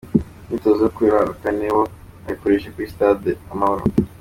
Imyitozo yo kuri uyu wa kane bo bayikoreye kuri stade Amahoro.